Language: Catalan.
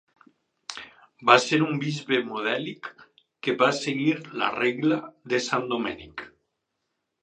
Va ser un bisbe modèlic que va seguir la regla de Sant Domènec.